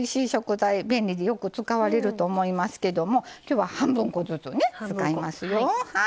便利でよく使われると思いますけども今日は半分こずつね使いますよ。